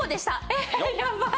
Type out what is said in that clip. えっやばい。